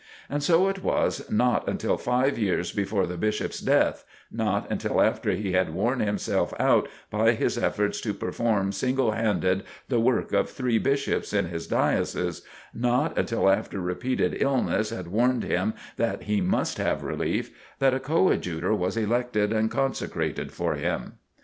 And so it was not until five years before the Bishop's death, not until after he had worn himself out by his efforts to perform single handed the work of three Bishops in his diocese, not until after repeated illness had warned him that he must have relief, that a Coadjutor was elected and consecrated for him.